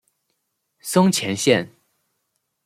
松前线。